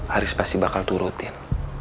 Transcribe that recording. haris pasti bakal turutin